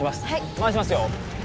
回しますよ